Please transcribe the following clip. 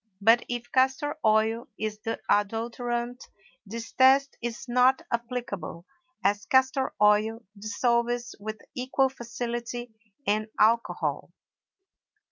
But if castor oil is the adulterant, this test is not applicable, as castor oil dissolves with equal facility in alcohol.